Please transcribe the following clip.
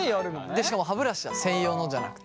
でしかも歯ブラシだ専用のじゃなくて。